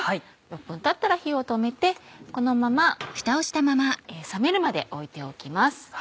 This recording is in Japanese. ６分たったら火を止めてこのまま冷めるまで置いておきます。